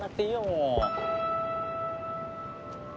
もう。